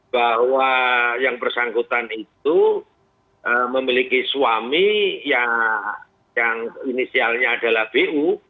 bahwa yang bersangkutan itu memiliki suami yang inisialnya adalah bu